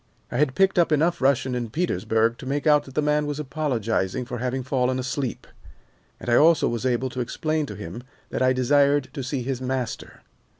I had picked up enough Russian in Petersburg to make out that the man was apologizing for having fallen asleep, and I also was able to explain to him that I desired to see his master.